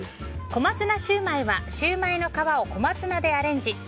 コマツナシューマイはシューマイの皮を小松菜でアレンジ。